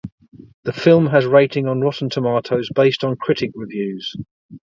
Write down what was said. The film has rating on Rotten Tomatoes based on critic reviews.